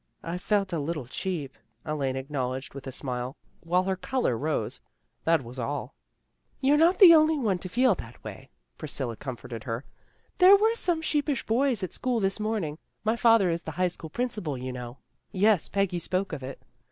"'" I felt a little cheap," Elaine acknowledged with a smile, while her color rose, " That was all." " You're not the only one to feel that way," ELAINE HAS VISITORS 89 Priscilla comforted her. " There were some sheepish boys at school this morning. My father is the high school principal, you know." " Yes, Peggy spoke of it."